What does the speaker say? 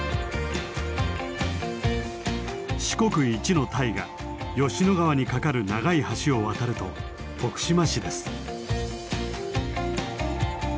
四国一の大河吉野川に架かる長い橋を渡ると徳島市です。